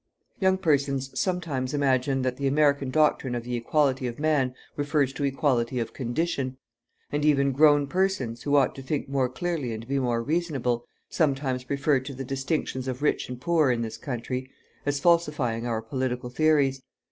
Young persons sometimes imagine that the American doctrine of the equality of man refers to equality of condition; and even grown persons, who ought to think more clearly and be more reasonable, sometimes refer to the distinctions of rich and poor in this country as falsifying our political theories.